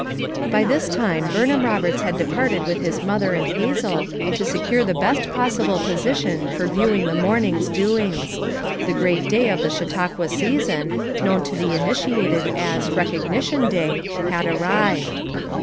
Bv this time Burnham Roberts had departed with his mother and Hazel, to secure the best possible position for viewing the morning's do ings. The great day of the Chautauqua sea son, known to the initiated as " Recognition Day" had arrived.